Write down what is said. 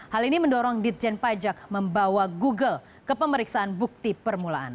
hal ini mendorong ditjen pajak membawa google ke pemeriksaan bukti permulaan